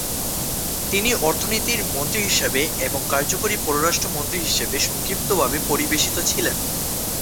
তিনি অর্থনীতির মন্ত্রী হিসেবে এবং কার্যকরী পররাষ্ট্র মন্ত্রী হিসাবে সংক্ষিপ্তভাবে পরিবেশিত ছিলেন।